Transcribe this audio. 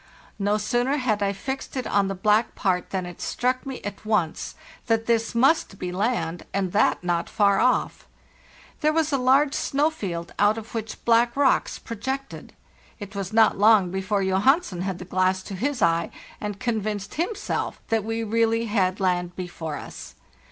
No sooner had I fixed it on the black part than it struck me at once that this must be land, and that not far off. There was a large snow field out of which black rocks projected. It was not long before Johansen had the glass to his eye, and convinced himself that we really had land before us.